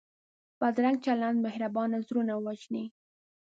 بدرنګه چلند مهربان زړونه وژني